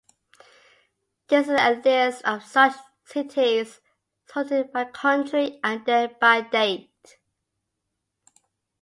This is a list of such cities, sorted by country and then by date.